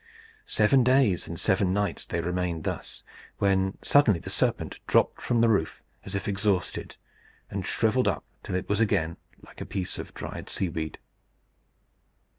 Seven days and seven nights they remained thus; when suddenly the serpent dropped from the roof as if exhausted, and shrivelled up till it was again like a piece of dried seaweed.